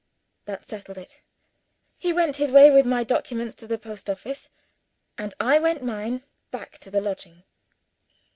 That settled it. He went his way with my documents to the post office; and I went mine back to the lodging.